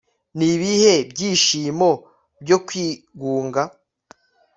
Nibihe byishimo byo kwigunga